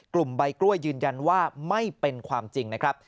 กลุ่มใบกล้วยยืนยันว่าไม่เป็นความจริงนะครับ